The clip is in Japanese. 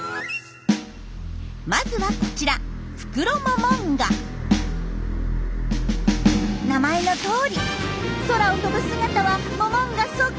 まずはこちら名前のとおり空を飛ぶ姿はモモンガそっくり。